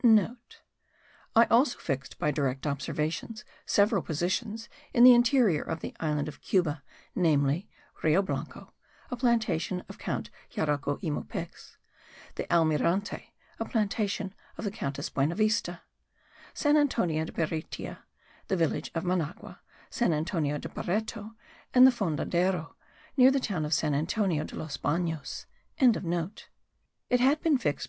*(* I also fixed, by direct observations, several positions in the interior of the island of Cuba: namely Rio Blanco, a plantation of Count Jaruco y Mopex; the Almirante, a plantation of the Countess Buenavista; San Antonio de Beitia; the village of Managua; San Antonio de Bareto; and the Fondadero, near the town of San Antonio de los Banos.). It had been fixed by M.